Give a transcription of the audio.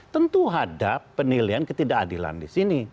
tentu ada penilaian ketidakadilan di sini